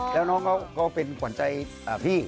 แล้วน้องเขาเป็นขวัญใจพี่